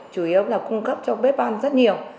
chủ yếu là cung cấp cho bếp ăn rất nhiều